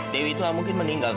dewi itu mungkin meninggal